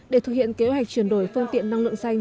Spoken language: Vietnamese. để thực hiện kế hoạch chuyển đổi phương tiện năng lượng xanh